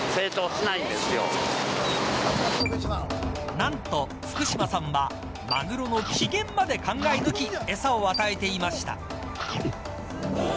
何と福島さんはマグロの機嫌まで考え抜き餌を与えていました。